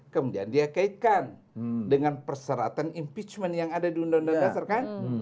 kemudian dia kaitkan dengan perseratan impeachment yang ada di undang undang dasar kan